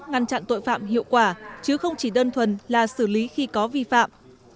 ngăn chặn tội phạm hiệu quả chứ không chỉ đơn thuần là xử lý khi có vi phạm